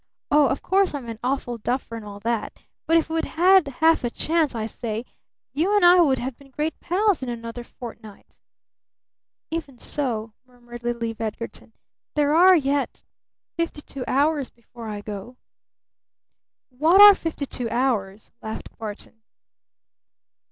"Oh, of course, I'm an awful duffer and all that! But if we'd had half a chance, I say, you and I would have been great pals in another fortnight!" "Even so," murmured little Eve Edgarton, "there are yet fifty two hours before I go." "What are fifty two hours?" laughed Barton.